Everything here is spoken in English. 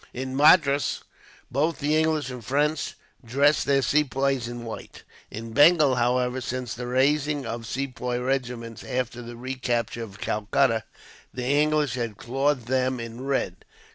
In Madras, both the English and French dress their Sepoys in white. In Bengal, however, since the raising of Sepoy regiments after the recapture of Calcutta, the English had clothed them in red.